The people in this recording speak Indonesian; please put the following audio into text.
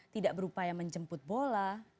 tidak berupaya menjemput bola